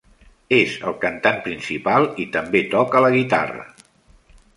És el cantant principal i també toca la guitarra.